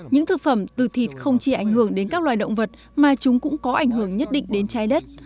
những thực phẩm từ thịt không chỉ ảnh hưởng đến các loài động vật mà chúng cũng có ảnh hưởng nhất định đến trái đất